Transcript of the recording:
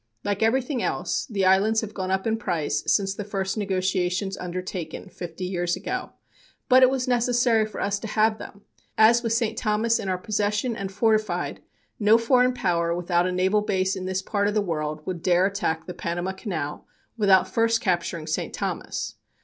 Like everything else, the islands have gone up in price since the first negotiations undertaken, fifty years ago, but it was necessary for us to have them, as with St. Thomas in our possession and fortified no foreign power without a naval base in this part of the world would dare attack the Panama Canal without first capturing St. Thomas.